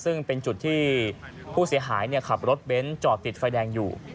ซึ่งเป็นจุดที่ผู้เสียหายขับรถเบ้นจอดติดไฟแดงอยู่